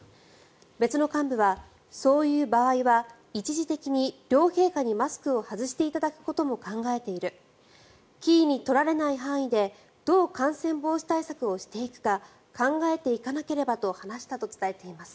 別の幹部はそういう場合は一時的に両陛下にマスクを外してもらうことも考えている奇異に取られない範囲でどう感染防止対策をしていくか考えていかなければと話したと伝えています。